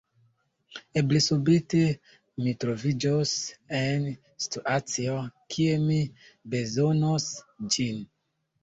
Eble subite, mi troviĝos en situacio, kie mi bezonos ĝin.